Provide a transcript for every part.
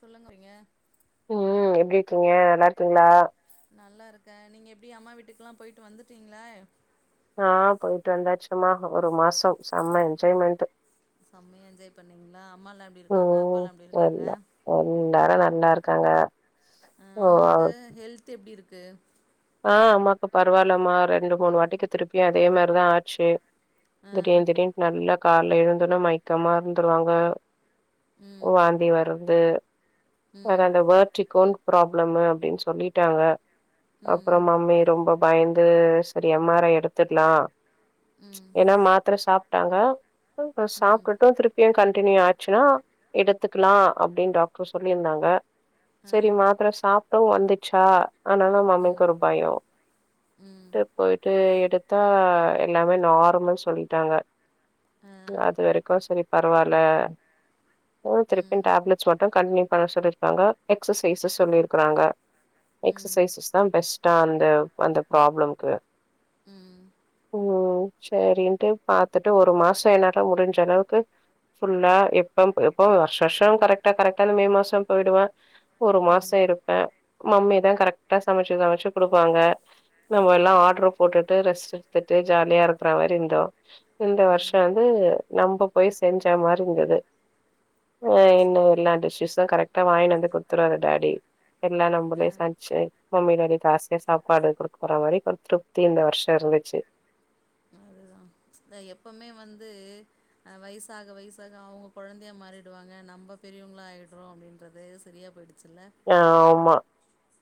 சொல்லுங்க வறீங்க ம் ம் எப்டி இருக்கீங்க நல்லா இருக்கீங்ளா நல்லா இருக்க நீங்க எப்டி அம்மா வீட்டுக்ல்லா போய்ட்டு வந்துட்டீங்ளா ஆ போயிட்டு வந்தாச்சுமா ஒரு மாசோ செம்ம என்ஜாய்மெண்ட் செம்மையா என்ஜாய் பண்ணீங்ளா அம்மாலா எப்டி இருக்காங்க ம் அப்பாலா எப்டி இருக்காங்க எல்லா எல்லாரு நல்லா இருக்காங்க ஓ அம்மாக்கு ஹெல்த் எப்டி இருக்கு ஆ அம்மாவுக்கு பரவால்லம்மா ரெண்டு மூணு வாட்டிக்கு திருப்பி அதே மாரிதா ஆச்சி அ திடீர் திடீர்னு நல்ல காலைல எழுந்தோன மயக்கமா இருந்துருவாங்க ம் வாந்தி வருது அத ம் அந்த வேர்டிக்குன் ப்ராப்ளமு அப்டின் சொல்லிட்டாங்க அப்புறோ ம் மம்மி ரொம்ப பயந்து செரி எம் ஆர் ஐ எடுத்துட்லா ம் ஏனா மாத்தர சாப்ட்டாங்க ம் சாப்டுட்டு திருப் பியு கண்டினியூ ஆச்சுன்னா எடுத்துக்கலா அப்டின் டாக்டர் சொல்லிருந்தாங்க அ செரி மாத்ர சாப்டவு வந்துச்சா ஆனால ம் மம்மிக் ஒரு பயோ ம் ட்டு போய்ட்டு எடுத் தா எல்லாமே நார்மல் சொல்லிட்டாங்க அ அது வெரைக்கு செரி பரவால்ல ம் திருப்பியு டேப்லெட் ஸ் மட்டு கண்டியூ பண்ண சொல்லிருக்காங்க எக்சசைசஸ் சொல்லிருக்காங்க ம் எக்ஸசைசஸ் தா பெஸ்டா அந்த அந்த ப்ராப்ளம்கு ம் ஒ சேரின்ட்டு பாத்துட்டு ஒரு மாசோ என்னாட்ல முடிஞ்சளவுக்கு ஃபுல்லா எப்பம் எப்பவு வருஷ வருஷ்சம் கரக்டா கரக்டாந்து மே மாசம் போய்டுவா ஒரு மாசோ ம் இருப்பே மம்மிதா கரெட்டா சமச்சு சமச்சு குடுப்பாங்க நம்ம எல்லா ஆட்ரு போட்டுட்டு ரெஸ்ட் எடுத்துட்டு ஜாலியா இருக்கற மாரி இருந்தோ இந்த வருஷ ம் வந்து நம்ப போய் செஞ்ச மாரி இருந்தது ஆ என்ன எல்லா டிஷ்ஸஸு கரெக்டா வாய்ன்னு வந்து குடுத்துருவாரு டாடி எல்லா அ நம்பளே சம்ச்சு மம்மி டாடி காஸ் செர் சாப்பாடு குடுக்க போற மாரி ஒரு திருப்தி இந்த வருஷோ இருந்துச்சி தா எப்போமே வந்து ஆ வயசாக வயசாக அவுங்க கொழந்தையா மாறிடுவாங்க நம்ப பெரியவங்களா ஆய்டுறோ அப்டின்றது செரியா புடிச்சில்ல ஆ ஆமா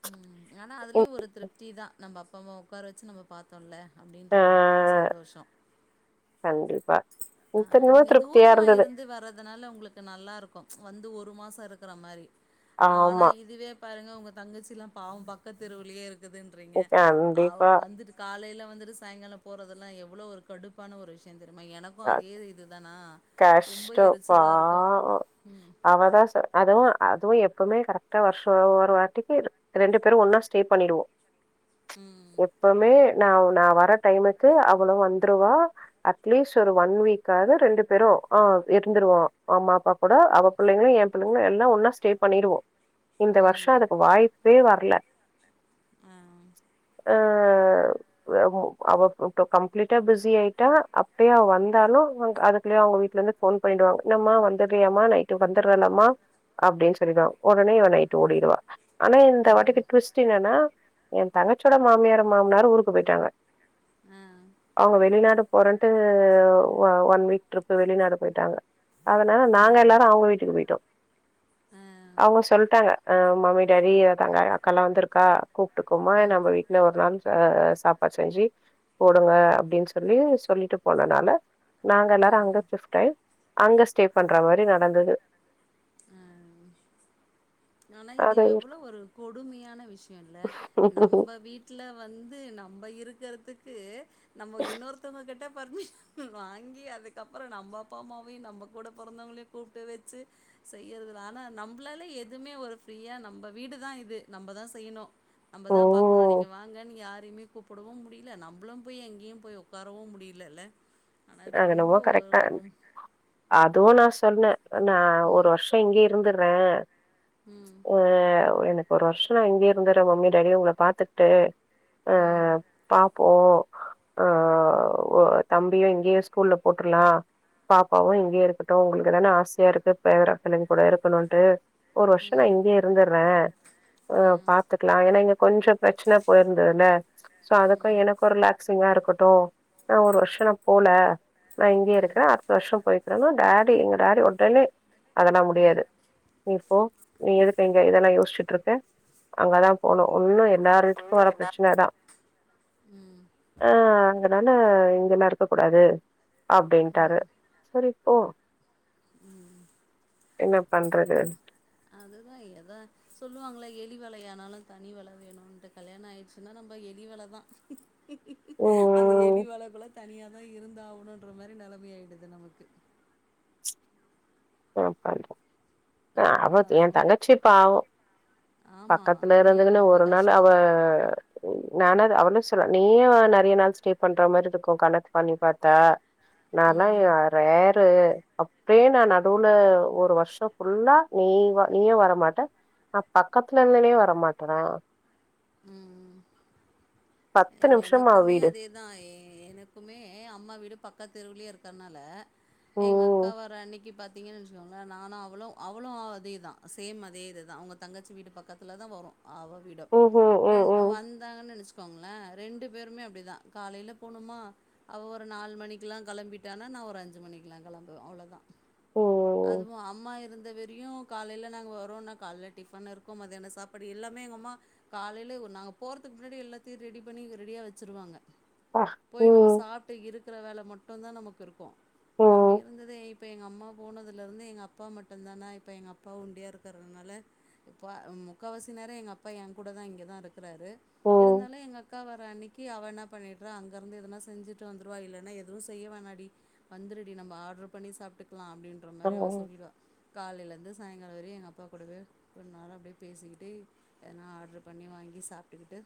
ம் ஆனா அதுலயு ஒரு திருப்தி தா நம்ப அப்பா அம்மாவ உக்கார வச்சு நம்ம பாத்தோல்ல அப்புடின்ற ஒரு ஆ சந்தோஷோ கண்டிப்பா அ திரும்ப நீங்க திருப்தியா தூரமா இருந்தது இருந்து வர அதனால உங்களுக்கு நல்லா இருக்கு வந்து ஒரு மாசோ இருக்குற மாரி ஆனா ஆமா இதுவே பாருங்க ஒங்க தங்கச்சில்லா பாவோ பக்கத் தெருவுலயே இருக்குதுன்றீங்க அவ் கண்டிப்பா. வந்துட்டு காலையில வந்துட்டு சாய்ங்கால போறதெல்லா எவ்ளோ ஒரு கடுப்பான ஒரு விஷ்ய தெரியுமா எனக் கோ அ அதே இதுதானா ரொம்ப கஷ்டம். எரிச்சலா இருக்கு ம் அவதா சொ அதுவு அதுவு எப்போமே கரெட்டா வர்ஷோ ஒரு வாட்டிக்கு ரெண்டு பேர் ஒன்னா ஸ்டே பண்ணிடுவோ ம் எப்போமே நாவ் நா வர டைமுக்கு அவளு வந்துருவா அட்லீஸ் ட்டு ஒரு ஒன் வீக்காது ரெண்டு பேரு ஆ இருந்துருவோ அம்மா அப்பா கூட அவ பிள்ளைங்களு எ பிள்ளைங்களு எல்லா ஒன்னா ஸ் ஸ்டே பண்ணிருவோ இந்த ம் வர்ஷோ ம் அதுக்கு வாய்ப்பே வரல ஆ அ அவ் அவோ இப்பப்போ கம்ப்ளீட்டா பிஸி ஆயிட்டா அப் ட்டுயு வந்தார்னா வந் அதுக்குள்ளயு அவங்க வீட்ல இருந்து ஃபோன் பண்ணிவாங்க என்னம்மா வந்துட்டியாமா நைட்டுக்கு வந்தட்றேலமா அப்டின் சொல்லிடுவாங் ஒடனே இவ நைட்டு ஓடிருவா ஆனா இந்த ம் வாட்டிக்கு டு்விஸ்ட் என்னன்னா எ தங்கச்சோட மாமியாரு மாமனாரு ஊருக்கு போயிட்டாங்க ஆ அவங்க வெளிநாடு போறன் ஒ ஒன் வீக் ட்ரிப்பு வெளிநாடு போய்ட்டாங்க அதனால நாங்க எல்லாரு அவங்க வீட்டுக் போய்ட்டோ ஆ ஆ அவுங்க சொல்ட்டாங்க அ மம்மி டாடி தங்க அக்கால்லா வந்துருக்கா கூப்புட்டுக்கோமா ம் நம்ப வீட்ல ஒரு நாள் அ சாப்பாட் செஞ்சு போடுங்க அப்டின் சொல்லி சொல்லிட்டு போனனால நாங்க எல்லாரு அங்க ம் சிப்ட் ஆய் அங்க ஸ்டே பண்ற மாரி நடந்தது ம் ஆனா இது அது எவ்ளோ ஒரு கொடுமையான விஷ்யோல்ல நம்ப வீட் ட்ல வந்து நம்ம இருக்கறதுக்கு நம்ம இன்னொருத்தவங்க கிட்ட பர்மிஷன் வாங்கி அதுக்கப்புறோ நம்ம அப்பா அம்மாவையு நம்ம கூட பொறந்தவங்களையு கூப்ட்டு வெச்சு செய்யறதுனால நம்மளாலே எதுமே ஒரு ஃப்ரீயா நம்ப வீடுதா இது நம்பதா செய்யணு நம்ம ஓ தா பாக்கணு நீங்க வாங்கன் யாரையுமே கூப்புடவு முடில நம்பளு போய் எங்கேயு போய் உக்காரவு முடிலல்ல ஆனா இது அது ரொம்ப என்னமோ கரெக்ட் ஒர் தா ஒரு அதுவு நா சொன்னே நா ஒரு ம் வருஷோ இங்கயே இருந்துட்றே ம் ஆ எனக்கு ஒரு வருஷோ நா இங்கயே இருந்தட்றே மம்மி டேடி உங்கள பாத்துக்ட்டு அ ம் பாப்போ அ தம்பியு இங்கயே ஸ்கூல்ல போட்ருலா பாப்பாவு இங்கயே இருக்ட்டு உங்குளுக்கு தானே ஆசையா இருக்கு பேரப்பிள்ளைங் கூட இருக்கணுன்ட்டு ஒரு வருஷ நா ம் இங்கயே இருந்தட்றே அ ஆ பாத்துக்லா ஏனா இங்க கொஞ்ச பிரச்சன போயிருந்ததுல்ல சோ அதுக்கு ம் எனக்கு ரிலாக் ஸ்சிங்கா இருக்கட்டு நா ஒரு வருஷோ நா போல நா இங்கயே ஆ இருக்கறே அ த்த வருஷோ போய்க்றனா டாடி எங்க டாடி ஒடனே அதெல்லா முடியாது நீ போ நீ எதுக் இங்க இதெல்லா யோஸ்சிட் இருக்க அங்கதா போனு ஒன்னு எல்லாரு வீட்டுக்கு இன்னு வர என்ன பிரச்சனை தா ம் அ அங்கதானே இங்கெல்லா இருக்க கூடாது அப்டின்ட்டாரு போ ம் என்ன பண்றது அதுதா எதா சொல்லுவாங்கள எலி வலையானாலு தனி வல வேணுட்டு கல்யாண ஆயிட்ச்சி இல்ன்னா நம்ம எலி வலதா அந்த ம் எலி வலைக்குள்ள தனியாதா இருந்தாகணுன்ற மாரி நெலமை ஆயிடுது நமக்கு அ அவ அதுதா எ ரொ தங்கச்சி பாவோ ஆமா பக்கத்துல உண்மையா இருந்துக்குனு ரொம்ப ஒரு நாள் அவ கஷ்டந்தா நானாத் அவளே சொல்ற நீயு நெறைய நாள் ஸ்டே பண்ற மாரி இருக்கு கணக் பண்ணி பாத்தா நா லா ம் யார் ரேரு அப்வே நா நடுல ஒரு வருஷோ ஃபுல்லா நீ வா நீயு வரமாட்ட னா பக்கத்துல இருந்துனே வரமாட்டரா ம் ம் பத்து நிமிஷமா எனக்குமே வீடு அதே தா எனக்குமே அம்மா வீடு பக்க தெருவுலையே இருக்கறனால எங்க அக்கா ம் வர அன்னிக்கு பாத்தீங்கன்னு வெச்சுக்கோங்ளே நானு அவ்ளு அவ்ளு அதேதா சேம் அதே இது தா ஒங்க தங்கச்சி வீடு பக்கத்துல தா வரு அவவிடம் ம் ம் ரெ ம் ம் வந்தாங்கன்னு நெனச் இருக்கோங்ளா ரெண்டு பேருமே அப்டிதா காலைல போனமா அவ ஒரு நாலு மணிக்குலா கெளம்பிட்டானா நா ஒரு அஞ்சி மணிக்குலா கெளம்புவே அவ்ளவுதா ம் அதுவு அம்மா இருந்த வீடு யு காலைல நாங்க வரோன்னா காலைல டிஃபன் இருக்கு மத்தியான சாப்பாடு எல்லாமே எங்க அம்மா காலைலே நாங்க போறதுக்கு முன்னாடி எல்லா தியு ரெடி பண்ணி ரெடியா வச்சிருவாங்க போய் நம்ம சாப் இருக்கிற வேல மட்டுதா நமக்கு இருக்கு அப்டி இருந்ததே இப் இப்ப எங்க அம்மா போனதுல இருந்து எங்க அப்பா மட்டுதானா இப்ப எங்க அப்பா ஒண்டியா இருக்கறதுனால இப்ப முக்காவாசி நேர எங்க அப்பா ஏ கூட தா இங்க தா இருக்கிறாரு இருந்தாலு எங்க அக்கா வற அன்னிக் கி அவ என்ன பண்ணிட்றா அங்க இருந்து எதனா செஞ்சிட்டு வந்துருவா இல்லன்னா எதுவு செய்ய வேணாடி வந்துருடி நம்ம ஆட்ரு பண்ணி சாப்ட்டுக்கலா அப்டின்ற மாரி ஆமா, அவ சொல்லுவா காலைல இருந்து சாய்ங்கால வரையு எங்க அப்பா கூடவே ஒரு நாளா அப்டியே பேசிக்கிட்டே எதனா ஆரட்ருரு பண்ணி வாங்கி சாப்ட்டுக்கிட்டு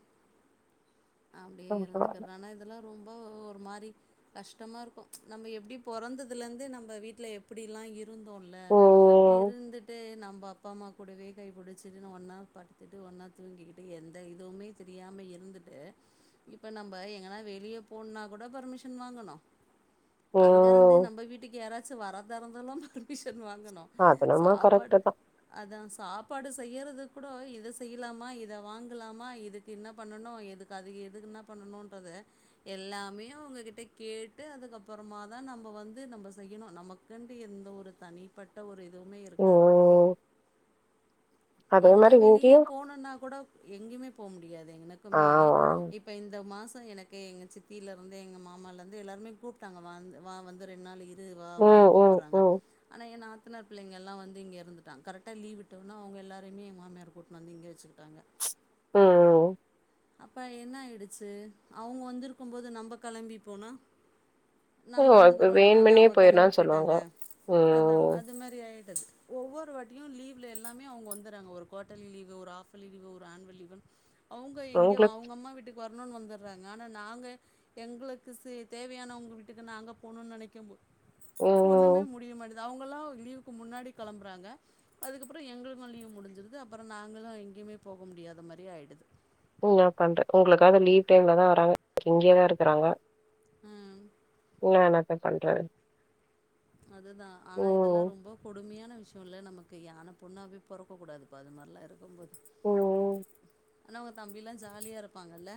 அப்டியே ஆமா, பரவாயில்ல. இருந்துகிறது ஆனா இதெல்லா ரொம்ப ஒரு மாரி கஷ்ட்டமா இருக்கு நம்ம எப்டி பொறந்ததுலருந்து நம்ம வீட்ல எப்டிலா இரு இருந்தோல உம், இருந்துட்டு நம்ம அப்பா அம்மா கூடவே கை புடிச்சிட்டு ஒன்னா படுத்துட்டு ஒன்னா தூங்கிட்டு எந்த இதுவுமே தெரியாம இருந்துட்டு இப்ப நம்ம எங்கன்னா வெளிய போணனா கூட பர்மிஷன் வாங்கணு அங்க இருந்து உம். நம்ம வீட்டுக்கு யாராச்சு வரத இருந்தாலு மிஷின் வாங்குனு அது நம்ம சாப்பாடு கரெக்ட் தான் அதா சாப்பாடு செய்யறது கூட இத செய்யலாமா இத வாங்கலாமா இதுக் என்ன பண்ணணு எதுக்கு அதுக்கு எதுக்கு என்ன பண்ணணுன்றது எல்லாமே அவங்ககிட்ட கேட்டு அதுக்கப்றமா தா நம்ம வந்து நம்ம செய்யணு நமக் கிண்டு எந்த ஒரு தனிப்பட்ட ஒரு இதுமே இருக்காது உம், அதே எங்கன்னா மாதிரி வெளியே இங்கேயும் போனுன்னா கூட எங்கேமே போ முடியாது எனக்குமே ஆமா இப் இப்ப இந்த மாச எனக்கு எங்க சித்தியில வந்து எங்க மாமால இருந்து எல்லாருமே கூப்பிட்டாங்க வா வந்து ரெண்டு நாள் இரு இதூ உம், வாவான்னு உம், கூப்பிட்டுறாங்க உம், ஆனா என் நாத் சின்னாப் பிள்ளிங்கெல்லா வந்து இங்க இருந்துட்டா கரெக்டா லீவ் விட்ட வுட்டோன அவங்க எல்லார் அப்பமே எங் மாமியார் கூட்டனு வந்து இங்கே வச்சிக்கிட்டாங்க ம் ம் அப்போ என்ன ஆயிடுச்சு அவங்க வந்திருக்கூ நம்ம போது நம்ப கிளம்பி போனா நாங்க உம், இப்ப வந்துக்குறோ இன்றதுனால வேணுமென்னே அவங்க கிளம்பி போயிடலாம்னு சொல்லுவாங்க போயிட்டாங்க அதான் உம், அது மாரி ஆயிட்டத் ஒவ்வொரு வாட்டியூ லீவ்ல எல்லாமே அவங்க வந்துட்ன் ங்க ஒரு குவடர்லீ் லீவூ ஒரு ஹாப்லீ லீவு ஒரு ஆன்வல் லீவுன்னூ அவங்க இங்க உங்களுக்கு அவங்க அம்மா வீட்டுக்கு வரணும்ன்னு வந்துட்றாங்க ஆனா நாங்க எங்களுக்கு சே தேவையானவங்க வீட்டுக்கு நாங்க போவ்னூ நினைக்கூ போது ஒண்ணுமே உம், முடியமாட்டேங்குது அவங்கல்லா லீவுக்கு முன்னாடி கிளம்புறாங்க அதுக்கப்புறோ எங்களுக்கூ லீவு முடிஞ்சிருது அப்றோ நாங்களு எங்கேயுமே போக முடியாத மாதிரி ஆயிடுது ஓ நா பண்றே ஒங்ளுக்காது லீவ் டைம்ல தா வராங்க இங்கே தா இருக்குறாங்க அ நா என்னாத்த பண்றே அதுதா ஆனா இதெல்லா உம், ரொம்போ கொமையான விஷயம்ல நமக்கு யா அனுப்புன்னா அப்டியே பொறக்க கூடாதுப்பா அது மாரிலா இருக்கம் போது ஓ ஆனா அவங்க தம்பில்லா ஜாலியா இருப்பாங்கல்ல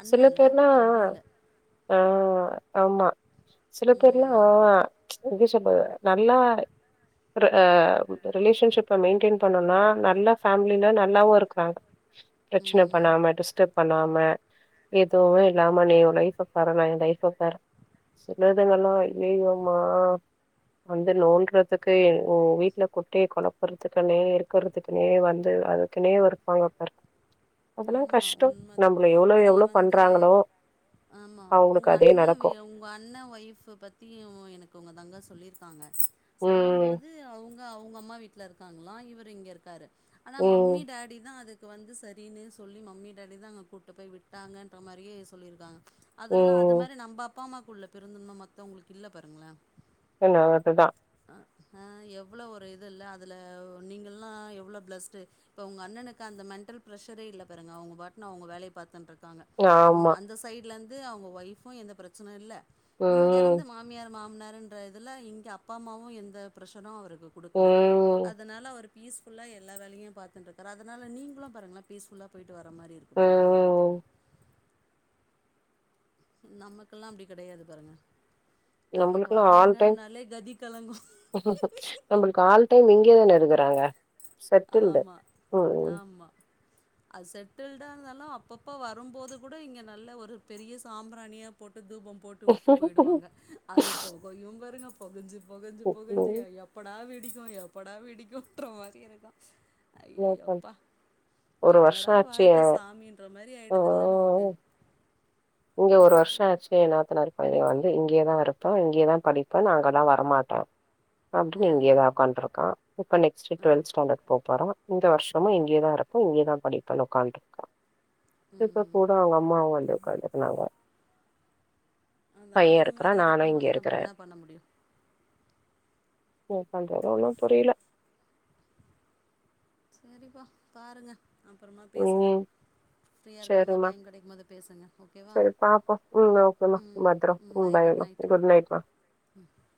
அண்ணன்ல்ல தம்பில்ல ஆ ஆமா சில பேர்லா ம் ஆ எப்டி சொல்றது நல்லா பிற ஆ ரிலேஷன்ஷிப் இப்ப மெயின்டென் பண்ணுன்னா நல்லா ஃபேமிலில நல்லாவூ இருக்குறாங்க பிரச்சன ம் பண்ணாம டிஸ்டர்ப் பண்ணாம எதுவூ இல்லாம நீ ஊ லைஃப் பாரு நா ஏ லைஃப் பாறு சின்னதுங்கல்லூ நீங்கம்மா வந்து நோட்றத்து இதுக்கு ஓ வீட்ல குட்டய கொழப்பறதுக்குனே இருக் க்குறதுக்குனே வந்து அதுக்குனே இருப்பாங்க பாரு அதெல்லாம் ஆமா கஷ்டம். உண்மதா நம்மள எவ்வளோ இதுல எவ்வளோ வந்து பண்றாங்களோ, ஆமா அவங்களுக்கு உங்க அதே அண்ணெ நடக்கும். வீட் உங்க அண்ணெ ஒயீஃப் பத்தி உ எனக்கு உங்க தங்க சொல்லியிருக்காங்க சொல்லூ ம், போது தூ அவுங்க அவுங்க அம்மா வீட்ல இருக்காங்களா இவரூ இங்க இருக்காரு ஆனா ம், மம்மி டேடி தா அதுக் இது வந்து சரின்னு சொல்லி மம்மி டாடி தா அங்க கூப்ட்டு போய் விட்டாங்கன்ற மாரியே சொல்லியிருக்காங்க அதெல்லா அது ம். மாதிரி நம்ம அப்பா அம்மாக்குள்ள பெருந்தன்மை மத்தவங்களுக்கு இல்ல பாருங்களே என்ன அதுதா எவ்வளோ ஒரு இது இல்ல அதுல நீங்கள்லா எவ்ளோ பிளஸ்டு இப்ப உங்க அண்ணனுக்கு அந்த மென்டல் பிரஷரே இல்ல பாருங்க அவங்க பாட்னூ அவங்க வேலய பார்த்துன் இருக்காங்க அங் ஆமா. அந்த சைட்ல இருந் து அவங்க ஒய்ஃபும் எந்த பிரச்சன இல்ல இங்க இருந்து ம் மாமியார் மாமனார்ன்னு ன்ற இதில இங்கே அப்பா அம்மாவும் எந்த பிர்ஷரும் அவருக்கு கொடுக்கல ம் அதனால அவர் பீஸ் ஃபுல்லா எல்லா வேலையூ பார்த்துன்ட்டுருக்காரு அதனால நீங்களு பாருங்கலே பீஸ் ஃபுல்லா போய்டிட்டு வர மாரி இருக் பாருங்கலே அந்த வீட்டுக்கு ம் நமக்கெல்லா அப்டி கிடையாது பாருங்க நமக்கு நம்மளுக்கெல்லா ஆல் வராங்க டைம் னாலே கதி கலங்கூ நம்மளுக்கு ஆல் டைம் இங்கே தானே இருக்குறாங்க செட்டில்டு ஆமா, ம் ம் ஆமா. அது செட்டில்டா இருந்தாலூ அப்பப்போ வரும்போது கூட இங்கே நல்ல ஒரு பெரிய சாம்பிராணியா போட்டு தூபம் போட்டு வுட்டு போயிடுவாங்க அது போகையூ பாருங்க பெகஞ்சு பெகஞ்சு பெகஞ்சு ம். யா எப்படா வெடிக்கூ எப்படா வெடிக்கும்ன்ற மாரி இருக்கோ ஐயே லோக்கல். யப்பா ஒரு வருஷோ என்னடா ஆச்சு வாழ்க்கை சாமின்ற மாரி ஆ ஆயிடுதுல்ல நமக்கு இங்க ஒரு வருஷோ ஆச்சு என் நாத்தனார் பையே வந்து இங்கயேதா இருப்பான் இங்கயேதா படிப்பே நா அங்கெல்லா வரமாட்டோ அ, அப்படின்னு இங்கோ தா உக்காண்டு இருக்கா இப்ப நெக்ஸ்ட் டுவெல்த் ஸாண்டர்ட் போவ் பேறா இந்த வருஷோமே இங்கேதா இருப் பவூ இங்கேதா படிப்பேன் உக்கான்ட்டுருக்கா இப்ப ம். கூட அவங்க அம்மாவ வந்து உக்காந்துக்குனாங்க அதான் பையே இது இருக்கிறா மாரி நானு இங்க இருக்கும்போது நம்ப இருக்கிறே என்ன பண்ண முடியும்? ஓபன் றாரு ஒன்னு புரியல செரிப்பா பாருங்க அப்பறமா பேசுங்க ம் ஃப்ரீயா இருக்கு போது சரிம்மா டைம் கெடைக்கு போது பேசுங்க ஓகேவா ம் திறோ ம் பாயை ம்மா குட் நைட் மா ம்